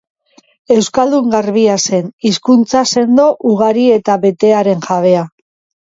Euskaldun garbia zen, hizkuntza sendo, ugari eta betearen jabea.